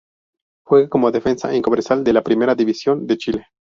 Juega como defensa en Cobresal de la Primera División de Chile.